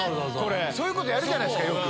そういうことやるじゃないですかよく。